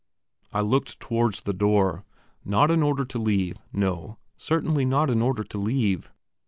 I looked towards the door, not in order to leave no, certainly not in order to leave.